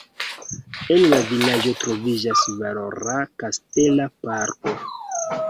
En la vilaĝo troviĝas valora kastela parko.